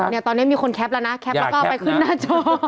อันนี้มีคนแคปแล้วนะแคปแล้วก็เอาไปขึ้นหน้าจอ